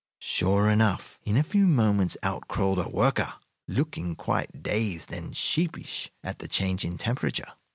Sure enough, in a few moments out crawled a worker, looking quite dazed and sheepish at the change in temperature.